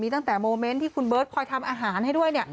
ตั้งแต่โมเมนต์ที่คุณเบิร์ตคอยทำอาหารให้ด้วย